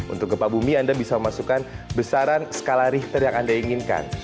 untuk gempa bumi anda bisa memasukkan besaran skala richter yang anda inginkan